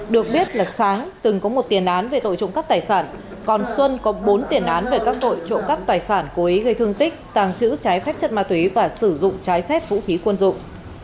được biết là sáng từng có một tiền án về tội trộm cắp tài sản còn xuân có bốn tiền án về các tội trộm cắp tài sản cố ý gây thương tích tàng trữ trái phép chất ma túy và sử dụng trái phép vũ khí quân dụng